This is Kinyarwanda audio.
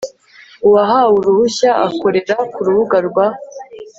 uwahawe uruhushya akorera ku rubuga rwa